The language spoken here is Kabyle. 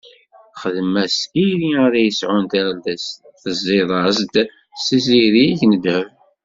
Xdem-as iri ara yesɛun tardest, tezziḍ- as-d s izirig n ddheb.